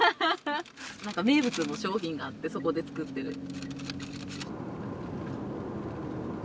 何か名物の商品があってそこで作ってるって。